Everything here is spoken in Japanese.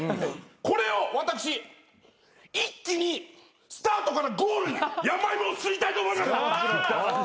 これを私一気にスタートからゴールにヤマイモを吸いたいと思います。